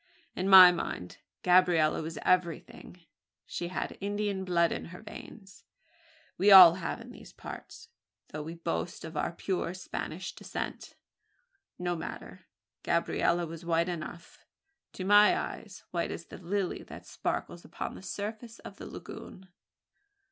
In my mind Gabriella was everything. She had Indian blood in her veins: we all have in these parts, though we boast of our pure Spanish descent. No matter; Gabriella was white enough to my eyes white as the lily that sparkles upon the surface of the lagoon.